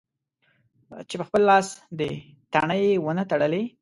چې په خپل لاس دې تڼۍ و نه تړلې.